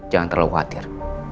jangan terlalu khawatir